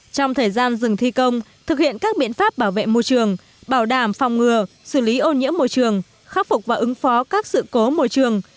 trong thời gian dừng thi công thực hiện các biện pháp bảo vệ môi trường bảo đảm phòng ngừa xử lý ô nhiễm môi trường khắc phục và ứng phó các sự cố môi trường